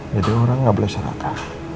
jadi orang gak boleh seraka